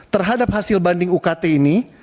terhadap hasil banding ukt ini